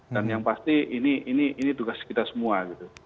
dan yang pasti ini tugas kita semua gitu